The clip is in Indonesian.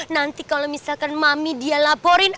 nanti kalau misalkan mami dia laporin